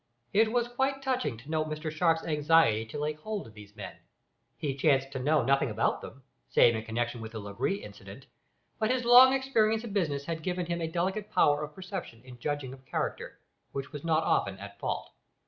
It was quite touching to note Mr Sharp's anxiety to lay hold of these men. He chanced to know nothing about them, save in connexion with the Langrye accident, but his long experience in business had given him a delicate power of perception in judging of character, which was not often at fault.